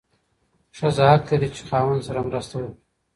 ښځه حق لري چې خاوند سره مرسته وکړي.